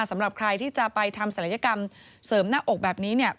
สำหรับใครที่จะไปทำศัลยกรรมเสริมหน้าอกแบบนี้เนี่ย